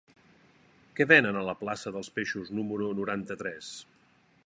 Què venen a la plaça dels Peixos número noranta-tres?